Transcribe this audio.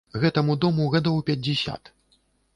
Гэтаму дому гадоў пяцьдзясят.